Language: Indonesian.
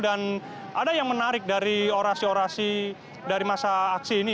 dan ada yang menarik dari orasi orasi dari masa aksi ini